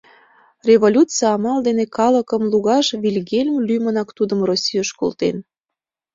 Революций амал дене калыкым лугаш Вильгельм лӱмынак тудым Российыш колтен.